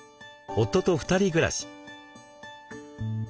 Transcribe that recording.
夫と２人暮らし。